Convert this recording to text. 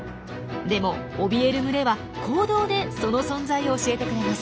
でもおびえる群れは行動でその存在を教えてくれます。